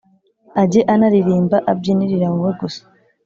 ajye anaririmba abyinirira wowe gusa